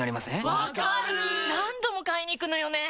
わかる何度も買いに行くのよね